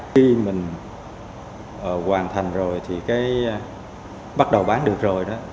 khi mình hoàn thành rồi thì cái bắt đầu bán được rồi đó